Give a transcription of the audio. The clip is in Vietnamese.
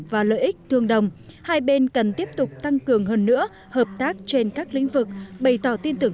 và lợi ích tương đồng hai bên cần tiếp tục tăng cường hơn nữa hợp tác trên các lĩnh vực bày tỏ tin tưởng